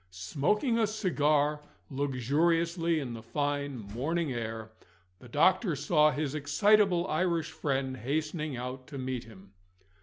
Smoking a cigar luxuriously in the fine morning air, the doctor saw his excitable Irish friend hastening out to meet him.